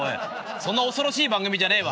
そんな恐ろしい番組じゃねえわ。